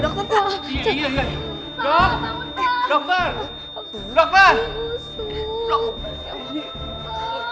sampai jumpa di video selanjutnya